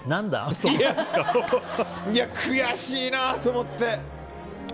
悔しいなと思って。